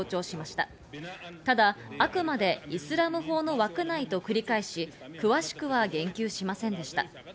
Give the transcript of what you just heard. ただ、あくまでイスラム法の枠内と繰り返し、詳しくは言及しませんでした。